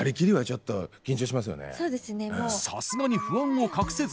さすがに不安を隠せず。